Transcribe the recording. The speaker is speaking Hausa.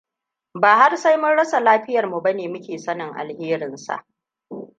Ba har sai mun rasa lafiyarmu ba ne muke sanin alherinsa.